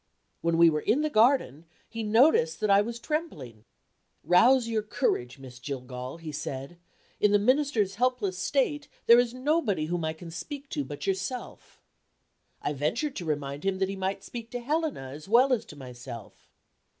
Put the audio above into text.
When we were in the garden, he noticed that I was trembling. "Rouse your courage, Miss Jillgall," he said. "In the Minister's helpless state there is nobody whom I can speak to but yourself." I ventured to remind him that he might speak to Helena as well as to myself.